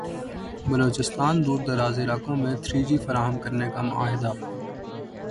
بلوچستان دوردراز علاقوں میں تھری جی فراہم کرنے کا معاہدہ